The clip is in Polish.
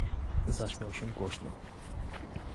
"Zaśmiał się głośno."